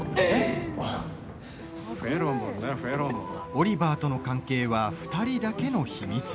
オリバーとの関係は２人だけの秘密。